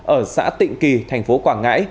ở xã tịnh kỳ tp quảng ngãi